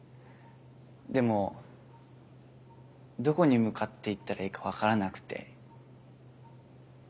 でもどこに向かって行ったらいいか分からなくて。